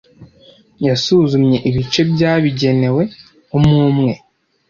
Yasuzumye ibice byabigenewe umwe umwe.